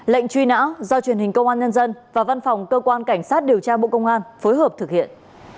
lệnh truy nã do truyền hình công an nhân dân và văn phòng cơ quan cảnh sát điều tra bộ công an phối hợp thực hiện